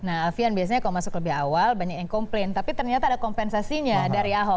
nah alfian biasanya kalau masuk lebih awal banyak yang komplain tapi ternyata ada kompensasinya dari ahok